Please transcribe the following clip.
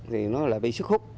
thì nó lại bị sức hút